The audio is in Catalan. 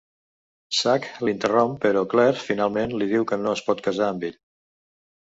Sack l'interromp, però Claire finalment li diu que no es pot casar amb ell.